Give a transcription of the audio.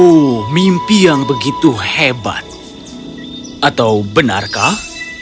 oh mimpi yang begitu hebat atau benarkah